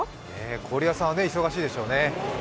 氷屋さんは忙しいでしょうね。